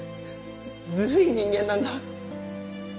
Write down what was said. ずるい人間なんだ。